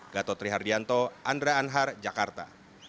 gatotri hardianto andra anhar jakarta